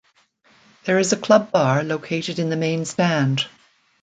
There is a club bar located in the main stand.